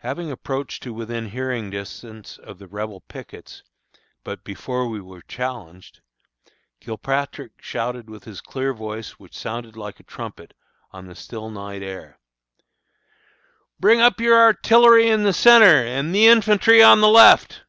Having approached to within hearing distance of the Rebel pickets, but before we were challenged, Kilpatrick shouted with his clear voice which sounded like a trumpet on the still night air. [Illustration: NIGHT ATTACK ON FALMOUTH HEIGHTS.] "Bring up your artillery in the centre, and infantry on the left."